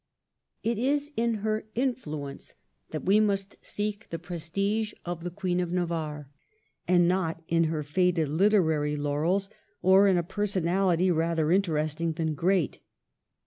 It is in her influence that we must seek the prestige of the Queen of Navarre, and not in her faded literary laurels, or in a personality rather interesting than great.